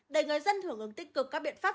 để người dân hưởng ứng tích cực các biện pháp